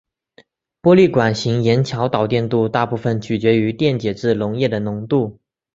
玻璃管型盐桥导电度大部分取决于电解质溶液的浓度。